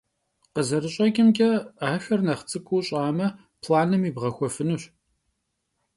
Khızerış'eç'ımç'e, axer nexh ts'ık'uu ş'ame, planım yibğexuefınuş.